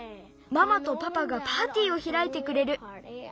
ママとパパがパーティーをひらいてくれる。